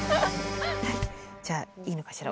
じゃあいいのかしら？